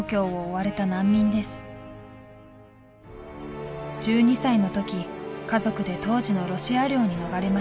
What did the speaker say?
１２歳の時家族で当時のロシア領に逃れました。